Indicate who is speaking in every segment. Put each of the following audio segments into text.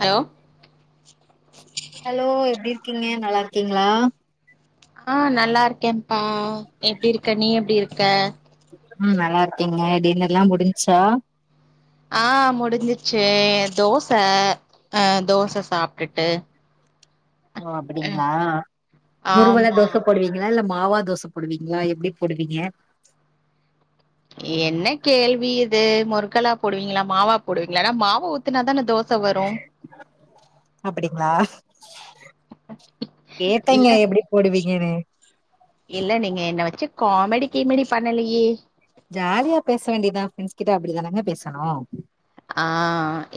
Speaker 1: Hello
Speaker 2: hello எப்டி க்கீங்க நல்லாருக்கீங்களா
Speaker 1: ஆ நல்லாருக்கேம்ப்பா எப்டிருக்க நீ எப்டிருக்க நீ எப்டி இருக்க
Speaker 2: ம் நல்லா இருக்கேங்க டின்னர்லா முடிஞ்ச்சா
Speaker 1: ஆ முடிஞ்சிச்சே தோச அ தோச சாப்ட்டுட்டு
Speaker 2: ஓ
Speaker 1: அ
Speaker 2: அப்டிங்ளா முருவல
Speaker 1: ஆமா
Speaker 2: தோச போடுவீங்ளா இல்ல மொ மாவா தோச போடுவீங்ளா எப்டி போடுவீங்க
Speaker 1: என்ன கேள்வி இது முருகலா போடுவீங்ளா மாவா போடுவீங்ளானா மாவ ஊத்துனாதான தோ
Speaker 2: அப்டிங்ளா
Speaker 1: இல்ல
Speaker 2: கேட்டேங்க எப்டி போடுவீங்கன்னு
Speaker 1: இல்ல நீங்க என்ன வச்சு காமெடி கீமெடி பண்ணலுயே
Speaker 2: ஜாலியா பேச வேண்டியதா ஃப்ரெண்ஸ் கிட்ட அப்புடிதானங்க பேசணு
Speaker 1: ஆ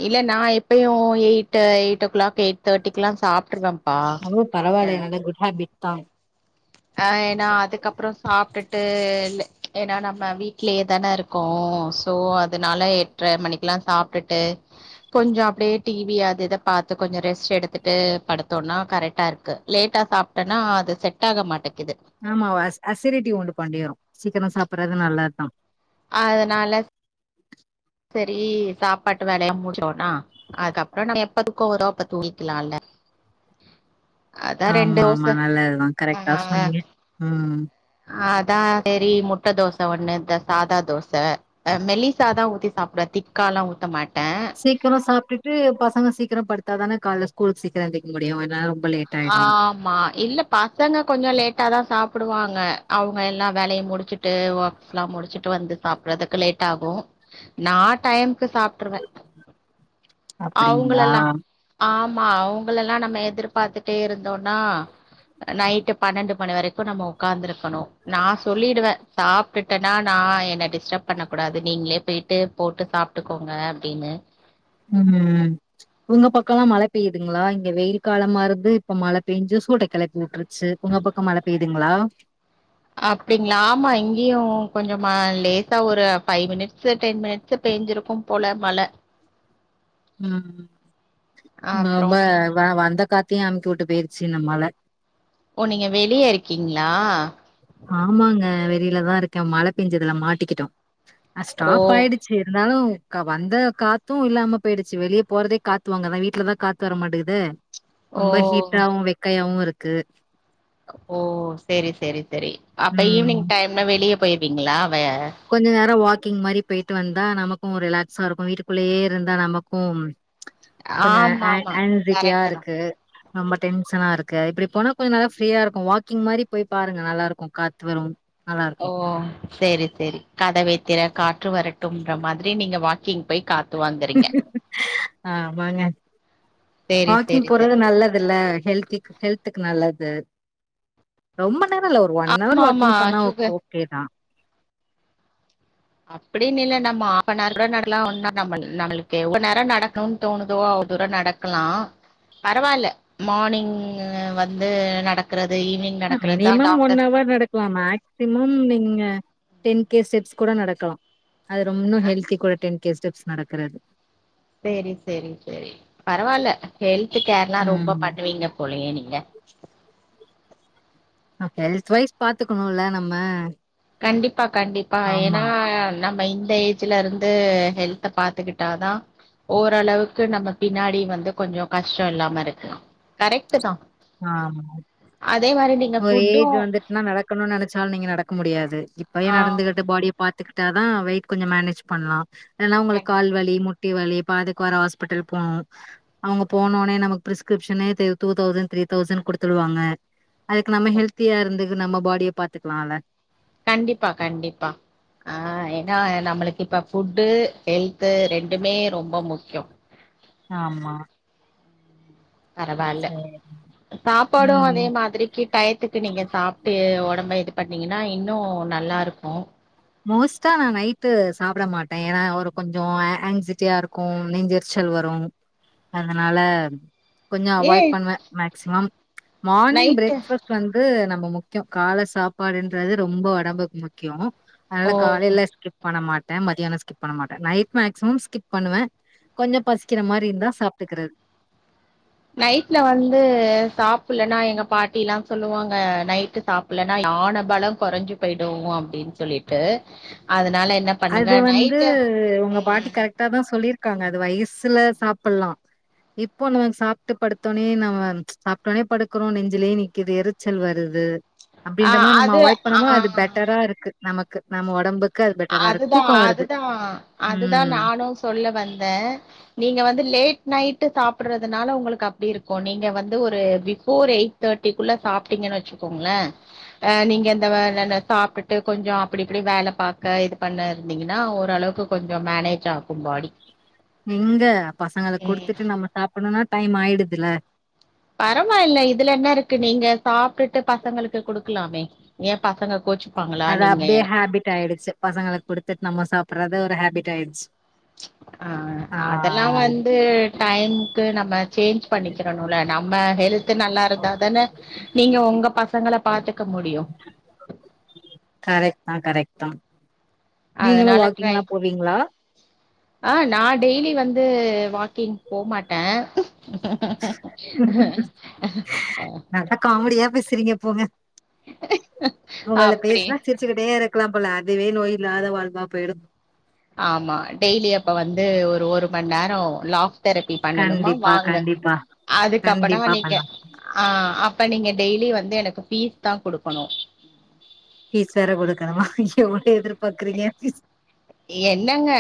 Speaker 1: இல்ல நா எப்பயு எயிட்டு் எயிட் ஓ க்ளாக் எ தேட்டிக்குலா சாப்ட்ருவம்
Speaker 2: ஓ பரவாயிலயே நல்ல குட் ஹேபிட் தாங்
Speaker 1: அ ஏன்னா அதுக்கப்புற சாப்ட்டுட்டு இல்லு ஏனா நம்ம வீட்லே தானே இருக்கோ சோ அதுனால எட்ற மணிக்குலா சாப்ட்டுட்டு கொஞ்சோ அப்டே டிவி அது இத பாத்து கொஞ்ச ரெஸ்ட் எடுத்துட்டு படுத்தோன்னா கரைக்டா இருக்கு லேட்டா சாப்ட்டனா அது செட் ஆக மாட்
Speaker 2: ஆமா அஸ் அஸ்ரிட்டி உண்டு பண்ணிரு சீக்கினொ சாப்புற்றது நல்லத்தா
Speaker 1: அதனால செரி சாப்பாட்டு வேலயா மூச்சோனா அதுக்கப்புற ந எப்ப தூக்க வரோ அப்ப தூங்கிக்கிலால்ல அதா ரெண்டு
Speaker 2: ஆமா ஆமா
Speaker 1: வோச
Speaker 2: நல்லதுதா கரெக்டா
Speaker 1: ஆ
Speaker 2: சொன்னீங்க ம்
Speaker 1: அதா செரி முட்ட தோச த ஒன்னு இந்த சாதா தோச அ மெல்லிசா தா ஊத்தி சாப்ட திக்காலா ஊத்த மாட்ட
Speaker 2: சீக்கிரொ சாப்ட்டுட்டு பசங்க சீக்கிரொ படுத்தாதான கால்ல ஸ்கூலுக் சீக்கிர எந்திக் முடியு எல்லாரும்
Speaker 1: ஆமா இல்ல பசங்க கொஞ்சொ லேட் லேட் தான் சாப்பிடுவாங்க அவங்க எல்லா வேலையை முடிச்சுட்டு ஒர்க்ஸ்ல்லா முடிச்சுட்டு வந்து சாப்படுறதுக்கு லேட் ஆகும் நான் டைமுக்கு சாப்பிடுவேன்
Speaker 2: அப்டிங்களா
Speaker 1: அவங்களையெல்லா ஆமா ஆமா அவங்கள எல்லாம் நம்ம எதிர்பார்த்துட்டே இருந்தோம்னா நைட்டு பன்னெண்டு மணி வரைக்கும் நம்ம உட்காந்துருக்கணும் நான் சொல்லிடுவேன் சாப்பிட்டுட்டேன்னா நான் என்னை டிஸ்டர்ப் பண்ண கூடாது நீங்களே போயிட்டு போட்டு சாப்பிட்டுக்கோங்க அப்படின்னு
Speaker 2: ஹம்ம் உங்க பக்கம் மழை பெய்யுதுங்களா இங்க வெயில் காலமா இருந்து இப்ப மழ பெயஞ்சு சூட்ட கிளப்பி விற்றது சேரி உங்க பக்கம் மழை பெய்து ங்களா
Speaker 1: அப்படிங்களா ஆமா இங்கேயும் கொஞ்சமா லேசா ஒரு ஃபைவ் மினிட்ஸ் டென் மினிட்ஸ் பெஞ்சிருக்கும் போல மழ
Speaker 2: உம் உ ஊம்ப
Speaker 1: அப்றோ
Speaker 2: ஊம்ப வ வந்த காத்தியையும் அனுப்பிச்சு விட்டு போயிடுச்சு இந்த மழ
Speaker 1: ஓ நீங்க வெளியே இருக்கீங்களா
Speaker 2: ஆமாங்க வெளியிலதான் இருக்கேன் மழை பெஞ்சதுலாம் மாட்டிக்கிட்டோம் அ
Speaker 1: ஓ
Speaker 2: ஸ்டாப் ஆயிடுச்சு இருந்தாலும் இங்க வந்த காத்தும் இல்லாம போயிடுச்சு வெளியே போறதே காத்துவாங்கதான் வீட்டுலதான் காத்து வர மாட்டேங்குதே
Speaker 1: ஓ
Speaker 2: ரொம்ப ஹீட்டர்வாவும் வெக்கையாவும் இருக் கு
Speaker 1: ஓ செரி செரி செரி அப்ப
Speaker 2: ம்
Speaker 1: ஈவினிங் டைம்ல வெளியே போய்டுவீங்களா
Speaker 2: கொஞ்ச நேர வாக் கிங் மாரி போயிட்டு வந்தா நமக்கு ஒரு ரிலாக்ஸா இருக்கு வீட்டுக்குள்ளயே இருந்தா நமக்கு கொஞ்ச
Speaker 1: ஆமா
Speaker 2: ஹா ஹோ
Speaker 1: ஆமா
Speaker 2: ஹோன்டிஜியா
Speaker 1: கரெக்ட் தான்
Speaker 2: இருக்கு ரொம்ப டென்ஷனா இருக்கு இப்படி போனா கொஞ்ச நல்லா ஃப்ரீயா இருக்கு வாக்கிங் மாரி போய் பாருங்க நல்லா இருக்கு காத்து வரு நல்லா
Speaker 1: ஓ
Speaker 2: இருக்கு
Speaker 1: சேரி சேரி கதவைத்திர காற்று வரட்டும்ன்ற மாதிரி நீங்க வாக்கிங் போய் கா த்து வாங்குறீங்க
Speaker 2: ஆமாங்க
Speaker 1: சேரி
Speaker 2: வாக்கிங்
Speaker 1: சேரி
Speaker 2: போறது
Speaker 1: சேரி
Speaker 2: நல்லது இல்ல ஹெல்திக் ஹெல்துக்கு நல்லது ரொம்ப நேரமில்லோ ஒரு ஒன் ஹவர்
Speaker 1: ஆமா ஆமா
Speaker 2: வாக்கிங் பண்ணா
Speaker 1: சுகர்
Speaker 2: ஓகே தா
Speaker 1: அப்டின்னு இல்ல நம்ம கூட நடக்கலா ஒன்னா நம்மளுக்கு எவ்வளவு நேரம் நடக்கனு தோனுதோ அவ்வளவு தூர நடக்கலா பரவால்ல மார்னிங் வந்து நடக்கறது ஈவினிங் நடக்கறது தான்
Speaker 2: மினிமம் ஒன்
Speaker 1: டாக்டர்
Speaker 2: ஹவர் நடக்கலா மேக்சிமம் நீங்க டென் கே ஸ்டெப்ஸ் கூட நடக்கலா அது ரொம்ப
Speaker 1: ஆ
Speaker 2: ஹொல்தி கூட டென் கேஸ் ஸ்டெப்ஸ் நடக்குறது
Speaker 1: சேரி சேரி சேரி பரவாயில்லே ஹெல்த் கேர்ல்லா ரொம்ப
Speaker 2: ம்
Speaker 1: பண்ணுவீங்க போலயே நீங்க
Speaker 2: ஹெல்த் வைஸ் பாத்துக்கணும்ல நம்ம
Speaker 1: கண்டிப்பா கண்டிப்பா ஏன்னா
Speaker 2: ஆமா
Speaker 1: நம்ம இந்த ஏஜ்ல இருந்து ஹெல்த பாத்துக்கிட்டாதா ஓரளவுக்கு நம்ம பின்னாடி வந்து கொஞ்ச கஷ்ட இல்லாம இருக்கு கரெக்டு தா
Speaker 2: ஆஹ் ஒரு ஏஜ்
Speaker 1: ஃபுட்டும்
Speaker 2: வந்துட்டுன்ன நடக்கணுன்னு நினைச்சாலு நீங்க நடக்க முடியாது இப்பயே
Speaker 1: ஆ
Speaker 2: நடந்துகிட்டு பாடியே பாத் கத்துகிட்டா தா வெயிட் கொஞ்ச மேனேஜ் பண்ணலா ல்லனா உங்களுக்
Speaker 1: கண்டி
Speaker 2: கால்வலி முட் டிவலி பாதுக்குவார் ஹாஸ்பிட்டல் போணு அவங்க போனோனே நமக்கு prescription two thousand three thousand கொடுத்துடுவாங்க அதுக்கு நம்ம ஹெல்தியா இருந்து நம்ம பாடிய பாத்துக்கலால
Speaker 1: கண்டிப்பா கண்டிப்பா ஆஹ் ஏன்னா நம்மளுக்கு இப்ப ஃபுட்டு ஹெல்து ரெண்டுமே ரொம்ப முக்கியோ
Speaker 2: ஆமா
Speaker 1: பரவாயில்ல
Speaker 2: சேரி
Speaker 1: சாப்பாடும்
Speaker 2: ம்
Speaker 1: அதே மாதிரிக்கு டயத்துக்கு நீங்க சாப்டு உடம்பு நம்ம இது பண்ணீங்கன்னா இன்னும் நல்லா இருக்கும்
Speaker 2: மோஸ்ட்டா நான் நைட்டு சாப்பிட மாட்டேன் ஏன்னா அவர் கொஞ்சம் ஆன்சைட்டியா இருக்கும் நெஞ்சிரச்சல் வரும் அதனால கொஞ்சம் அவாய்ட்
Speaker 1: ஏன்
Speaker 2: பண்ணுவேன் மேக்சிமம் மார்னிங்
Speaker 1: நைட்டு
Speaker 2: ப்ரேக்ஃபாஸ்ட் வந்து ரொம்ப முக்கியம் கால சாப்பாடுன்றது ரொம்ப உடம்புக்கு முக்கியம் அதனால
Speaker 1: ஓ!
Speaker 2: காலைல ஸ்கிப் பண்ண மா ட்டேன் மதியானம் ஸ்கிப் டேன் நைட் மேக்சிமம் ஸ்கிப் பண்ணுவன் கொஞ்சம் பசிக்கிற மாதிரி இருந்தா சாப்பிட்டுக்கிறது
Speaker 1: நைட்ல வந்து சாப்பலன்னா எங்க பாட்டி எல்லாம் சொல்லுவாங்க நைட்டு சாப்பலனா யானை பலம் குறைஞ்சு போயடுவோம் அப்படின்னு சொல்லிட்டு அதுல
Speaker 2: அது வந்து உங்க பாட்டி
Speaker 1: ம்
Speaker 2: கரெக்டா தான் சொல்லிரு க்காங்க அது வயசுல சாப்பிடலாம் இப்போ நமக்கு சாப்பிட்டு படுத்தோடனே நம்ம சாப்பிட்டோடனே படுக்கறோம் நெஞ்சிலேயே நக்குது எரிச்சல் வருது
Speaker 1: ஆ
Speaker 2: அப்படின்ற மாதி நம்ம
Speaker 1: அது
Speaker 2: அவாய்ட் பண்ணமோ அது
Speaker 1: ஆ
Speaker 2: பெட்டரா இருக்கு நமக்கு நம்ம உடம்பு க்கு பெட்
Speaker 1: அதுதான் அதுதான் அதுதான்
Speaker 2: ம்.
Speaker 1: நானும் சொல்ல வந்தேன் நீங்க வந்து லேட் நைட்டு சாப்பிடுறதுனால உங்களுக்கு அப்படி இருக்கும் நீங்க வந்து ஒரு பிபோர் எயிட் தேர்ட்டிக்குள்ள சாப்பிட்டீங்கன்னு வச்சுக்கோங்களேன் அஹ நீங்க எ இந்த வே சாப்பிட்டு கொஞ்சம் அப்படி இப்படி வேலை பா இது பண்ண இருந்தீங்கன்னா ஓரளவுக்கு கொஞ்சம் மேனேஜ் ஆகும் பாடி
Speaker 2: எங்க பசங்களை
Speaker 1: ம்
Speaker 2: கொடுத்துட்டு நம்ம சாப்பிடணும்னா டைம் ஆயிட இதுல
Speaker 1: பரவாயில்ல இதுல என்ன இருக்கு நீங்க சாப்பிட்டுட்டு பசங்களுக்கு குடுக்கலாமே ஏன் பசங்க கோச்சு
Speaker 2: அது அப்டியே ஹேபிட் ஆயிடுச்சு பசங்களுக் குடுத்துட்டு நம்ம சாப்பிடடுற து ஒரு ஹேபிட் ஆயடுச்சு
Speaker 1: அஹ் அதெல்லா வந்து டைம்கு நம்ம சேஞ்ச் பண்ணிக்கிடணுல நம்ம ஹெல் நல்லா இருந்தா தானே நீங்க உங்க பசங்கள பாத்துக்க முடியு
Speaker 2: கரெக்ட் தா கரெக்ட் தா நீங்களு
Speaker 1: அதனால
Speaker 2: வாக்கிங்லா போவீங்களா
Speaker 1: ஆஹ் நா டெய்லி வந்து வாக்கிங் போ மாட்டே ஹ
Speaker 2: நல்லா காமெடியா பேசுறீங்க போங்க உங்கள்
Speaker 1: அப்டி
Speaker 2: பேசுனா சிரிச்சுக்கிட்டே இருக்கலாம் போல அதுவே நோயலா வாழ்வா போயிடு
Speaker 1: ஆமா டெய்லி அப்ப வந்து ஒரு ஒரு ஒருமநேரொ லாஃப் தெரபி பண்ணணுமா
Speaker 2: கண்டிப்பா
Speaker 1: வாங்க
Speaker 2: கண்டிப்பா
Speaker 1: அதுக்கப்படோ
Speaker 2: கண்டிப்பா
Speaker 1: நீங்க
Speaker 2: பண்லா
Speaker 1: ஆ அப்ப நீங்க டெய்லி வந்து எனக்கு ஃபீஸ் தா கொடுக்கணு
Speaker 2: ஃபீஸ் வேற கொடுக்கணமா ஐயோ என்ட எதிர்
Speaker 1: என்னங்க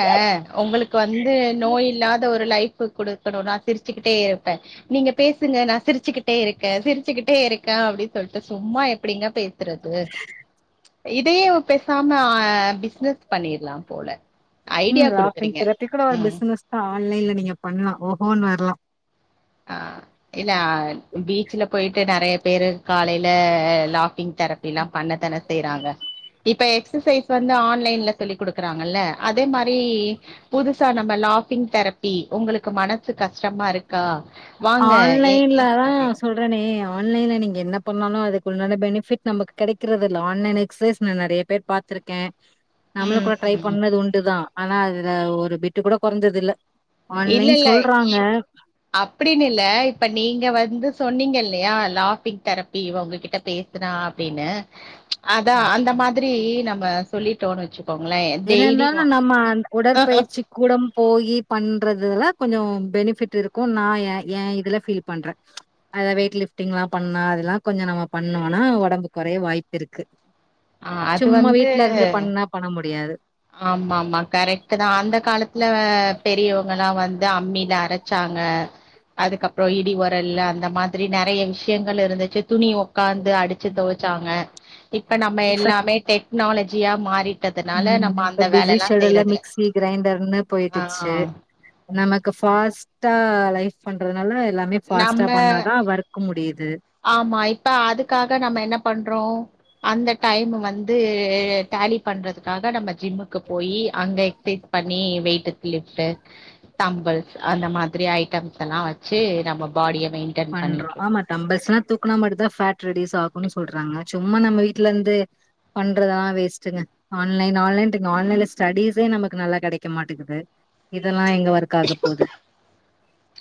Speaker 1: உங்களுக்கு வந்து நோய் இல்லாத ஒரு லை ஃபு குடுக்கணுனா சிரிச்சுக்கிட்டே இருப்பே நீங்க பேசுங்க நா சிரிச்சுக்கிட்டே இருக்கே சிரிச்சுக்கிட்டே இருக்கே அப்படின் சொல்ட்டு சும்மா எப்டிங்க பே சுறது இதையு பேசாம பிசினஸ் பண்ணிட்லா போல
Speaker 2: உம்
Speaker 1: ஐடியா
Speaker 2: லாஃபிங்
Speaker 1: குடுக்குறீங்க
Speaker 2: தெரபி கூட ஒரு
Speaker 1: ம்
Speaker 2: பிசினஸ் தா ஆன்லைன்ல நீங்க பண்லா ஓ ஓன் வர்லா
Speaker 1: அ இல்ல பீச்ல போயிட்டு நெறைய பேரு காலையில லாஃபிங் தெரப்பி எல்லா பண்ணத்தானே செய்றாங்க இப்ப எக்ஸசைஸ் வந்து ஆன்லைன்ல சொல்லி கொடுக்குறாங்கல்ல அதே மா ரி புதுசா நம்ம லாஃபிங் தெரப்பி உங்களுக்கு மனசு கஷ்டமா இருக்கா வாங்க ஏ
Speaker 2: ஆன்லைன்ல
Speaker 1: ஏ
Speaker 2: தா
Speaker 1: அப்டி
Speaker 2: சொல்றேனே ஆன்லைன்ல் நீங்க என்ன பண்ணாலு அதுக்குன்டான பெனிஃபிட் நமக்கு கிடைக்கிறதுதில்ல ஆன்லைன் எக்ஸசைஸ் நா நெறைய பேர் பாத்துருக்கே நம்மளு
Speaker 1: ம்
Speaker 2: கூட ட்ரை
Speaker 1: ம்
Speaker 2: பண்ணது உண்டுதா ஆனா அதுல ஒரு பிட்டு கூட கொறஞ்சது இல்ல
Speaker 1: இல்ல
Speaker 2: ஆன்லைன்
Speaker 1: இல்ல
Speaker 2: சொல்றாங்க
Speaker 1: இப் அப்டின்னு இல்ல இப்ப நீங்க வந்து சொன்னீங்க இல்லையா லாஃபிங் தெரப்பி உங்ககிட்ட பேசுனா அப்டின்னு அதா அந்த மாதிரி நம் ம சொல்லிட்டோன் வச்சு
Speaker 2: என்ன இருந்தாலு நம்ம
Speaker 1: ஆ
Speaker 2: உடற்பயிற்சி கூடம் போயி பண்றதுலா கொஞ்ச பெனிஃபிட் இருக்கு நா ஏ எ இதுல ஃபீல் பண்ற அத வெயிட் லிஃப்டிங்லா பண்ணா அதெல்லா கொஞ்ச நம்ம பண்ணோனா ஒடம்பு கொறைய வாய்ப்பிருக்கு
Speaker 1: அது
Speaker 2: சும்மா
Speaker 1: வந்து
Speaker 2: வீட்ல இருந்து பண்ணா பண்ண மு முடியாது
Speaker 1: ஆமாமா கரெக்டுதா அந்த காலத்துல பெரியவங்கலா வந்து அம்மில அரைச்சாங்க அதுக்கப்புற இடி உரல்ல அந்த மாதிரி நெறைய விஷயங்கள் இருந்துச்சு துணி உக்காந்து அடிச்சு தொவச்சாங்க இப்ப நம்ம எல்லாமே டெக்னாலஜியா மாறி ட்டதனால
Speaker 2: ம் இப்ப பிஸி ஷெட்யுல்ல மிக்சி கிரைண்டர்னு
Speaker 1: ஆ
Speaker 2: போயிடுச்சு நமக்கு ஃபாஸ்ட் டா லைஃப்ன்றது அதனால எல்லாமே‌ ஃபாஸ்டா
Speaker 1: நம்ம
Speaker 2: பண்ணாதா வர்க் முடியுது
Speaker 1: ஆமா இப்ப அதுக்காக நம்ம என்ன பண்றோ கு அந்த டைம் வந்து டாலி பண்றதுக்காக நம்ம ஜிம்முக்கு போய் அங்க எக்ஸைஸ் பண்ணி வெயிட் லிஃப்ட் தம்பிள்ஸ் அந்த மாதிரி ஐட்டம்ஸ் எல்லா வெச்சி நம்ம பாடிய மெயின்டென்
Speaker 2: பண்றோ
Speaker 1: பண்ணிட்டு
Speaker 2: ஆமா
Speaker 1: இருக்கோம்
Speaker 2: டம்பிள்ஸ்ல தூக்குனா மட்டும்தான் ஃபேட் ரெடிஸ் ஆகும்ன்ன னு சொல்றாங்க சும்மா நம்ம வீட்ல இருந்து பண்றதெல்லாம் வேஸ்ட்ங்க ஆன்லைன் ஆன்லைன் இங்க ஆன்லைன் ஸ்டெடிசே நம்மளுக்கு நல்லா கிடைக்க மாட்டேங்குது இத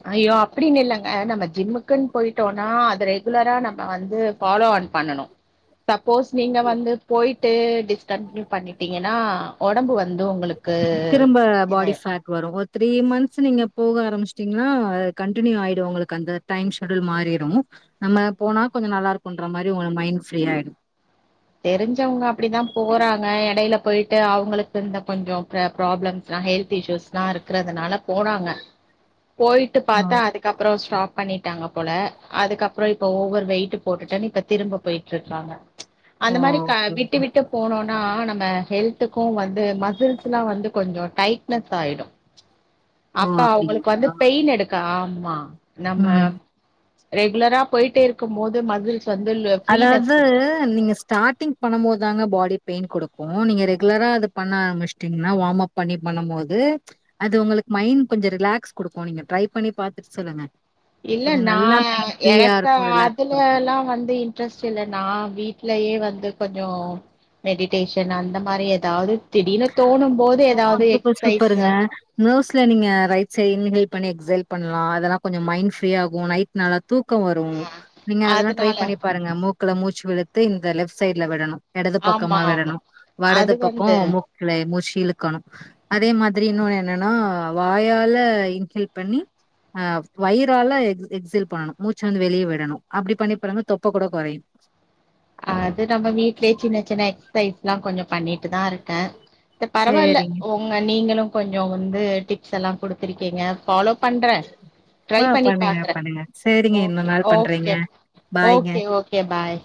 Speaker 1: அ ஐயோ அப்படின்னு இல்லங்க நம்ம ஜிம்மு குன்னு போயிட்டோம்னா அது ரெகுலரா நம்ம வந்து பாலோ பண்ணனும் சப்போஸ் நீங்க வந்து போயி டிஸ்கன்டினியூ பண்ணிட்டீங்கன்னா உடம்பு வந்து உங்களுக்கு
Speaker 2: திரும்ப பாடி
Speaker 1: இதாயிரும்
Speaker 2: ஃபேட் வரும் போது த்ரீ மந்த் நீங்க போக ஆரம்பிச்சுட்டீங்கன்னா கண்டினியூ ஆயிடும் உங்களுக்கு அந்த டைம் ஷெட்யூல் மாறிடும் நம்ம போனா கொஞ்சம் நல்லா இருக்கும்ன்ற மாதிரி உங்க மைண்ட் ஃப்ரீ ஆயிடும்
Speaker 1: தெரிஞ்சவங்க அப்படிதான் போறாங்க இடையில போயிட்டு அவங்களுக்கு இந்த கொஞ்சம் ப ப்ராப்ளம்ஸ் எல்லாம் ஹெல்த் இஷ்யூஸ் எல்லாம் இருக்கறதுனால போறாங்க போயிட்டு
Speaker 2: ஓ
Speaker 1: பார்த்தா அதுக்கப்புறம் ஸ்டாப் பண்ணிட்டாங்க போல அதுக்கப்புறம் இப்ப ஓவர் வெயிட் போட்டுட்டேன்னு இப்ப திரும்ப போயிட்டு இருக்காங்க
Speaker 2: ஓ
Speaker 1: அந்த மாதிரி
Speaker 2: ஓகே
Speaker 1: விட்டு
Speaker 2: ஓகே
Speaker 1: விட்டு போனோம்னா நம்ம ஹெல்த்துக்கும் வந்து ம எல்லாம் வந்து கொஞ்சம் டைட்னஸ் ஆயிடும்
Speaker 2: ஓ
Speaker 1: அப்ப அவங்களுக்கு
Speaker 2: அப்டிங்களா
Speaker 1: வந்து பெயின் எடுக்க ஆ ஆமா நம்ம
Speaker 2: ம்
Speaker 1: ரெகுலரா போயிட்டே இருக்கும் போது மஜுல்ஸ் வந்து இந்த ஃபிரீனஸ்
Speaker 2: அதாவது
Speaker 1: குடுக்கு
Speaker 2: நீங்க ஸ்டார்ட்டிங் பண்ணும் போது தாங்க பாடி பெயின் கொடுக்கும் நீங்க ரெகுலரா அது பண்ண ஆரம்பிச்சட்டீங்கன்னா வார்ம்ப் பண்ணி பண்ணும் போது அது உங்களுக்கு மைண்ட் கொஞ்சம் ரிலாக்ஸ் கொடுக்கும் நீங்க டரை பண்ணி பாத்துட்டு சொல்லுங்க
Speaker 1: இல்ல
Speaker 2: கொஞ்சோ நல்லா
Speaker 1: நான்
Speaker 2: மைண்ட் ஃப்ரீயா
Speaker 1: எனக்
Speaker 2: இருக்கு ரிலாக்ஸ் குடுக்கு
Speaker 1: அதுலல்லாம் வந்து இண் ட்ரஸ்ட் இல்ன்னா வீட்லயே வந்து கொஞ்சம் மெடிடேஷன் அந்த மாரி ஏதாவது திடீர்னு தோணும் போது
Speaker 2: ஓ
Speaker 1: ஏதாவது
Speaker 2: சூப்பர்
Speaker 1: எக்சசைஸ்
Speaker 2: சூப்பருங்க நர்வ்ஸ்ல நீங்க ரைட் சைட் இன்ஹேல் பண்ணி எக்ஸேல் பண்ணலாம் அதெல்லாம் கொஞ்சம் மைண்ட் ஃப்ரீ ஆகும் நைட் நல்லா தூ தூக்கம் வரும் நீங்க அதெல்லாம் ட்ரை
Speaker 1: அதனால
Speaker 2: பண்ணி பாருங்க மூ க்ல மூச்சு விழுத்து இந்த லெஃப்ட் சைட்ல விடணும் இடது
Speaker 1: ஆமா
Speaker 2: பக்கமா
Speaker 1: ஆமா
Speaker 2: விடணும் வடது
Speaker 1: அது
Speaker 2: பக்கம்
Speaker 1: வந்து
Speaker 2: க்கு மூக்குல முச்ச இழுக்கணும் அதே மாதிரி இன்னொன்னு என்னன்னா வாயால இன்ஹல் பண்ணி அஹ் வயராாலக் எக்ஸேல் பண்ணணும் மூச்ச வந்து வெளியே விடணும் அப்படி பண்ணி பிறந்த தொப்ப கூட குறையும்
Speaker 1: அது நம்ம வீட்லயே சின்ன சின்ன எக்சசைஸ் எல்லாம் கொஞ்சம் பண்ணிட்டு தான் இருக்கேன் பரவாயில்ல
Speaker 2: சேரிங்க
Speaker 1: உங்க நீங்களும் கொஞ்சம் வந்து டிப்ஸ் எல்லாம் கொடுத்துருக்கீங்க ஃபாலோ பண்றேன் ட்ரை
Speaker 2: ஆ
Speaker 1: பண்ணி
Speaker 2: பண்ணுங்க
Speaker 1: பாக்றேன்
Speaker 2: பண்ணுங்க சேரிங்க இன்னொரு
Speaker 1: ஓகே,
Speaker 2: நாள் பண்றேங்க
Speaker 1: ஓகே,
Speaker 2: பாய்ங்க
Speaker 1: ஒகே ஓகே பாய்.